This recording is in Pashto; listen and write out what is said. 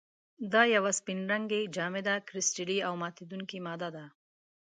دا یوه سپین رنګې، جامده، کرسټلي او ماتیدونکې ماده ده.